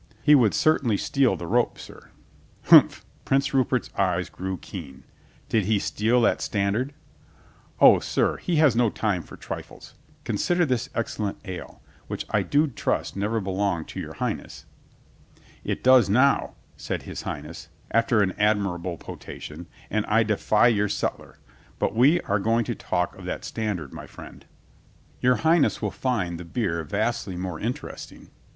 "He would certainly steal the rope, sir." "Humph !" Prince Rupert's eyes grew keen. "Did he steal that standard?" "O, sir, he has no time for trifles. Consider this excellent ale — which I do trust never belonged to your Highness." "It does now," said his Highness, after an ad mirable potation, "and I defy your sutler. But we are going to talk of that standard, my friend." I90 COLONEL GREATHEART "Your Highness will find the beer vastly more interesting."